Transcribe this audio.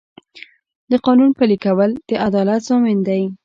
د قانون پلي کول د عدالت ضامن دی.